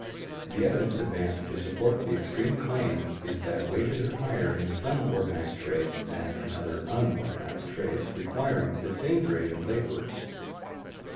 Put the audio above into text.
The evidence advanced to support the extreme claim is that wages are higher in some organized trades than in other unorganized trades requiring the same grade of laborers.